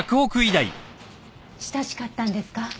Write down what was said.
親しかったんですか？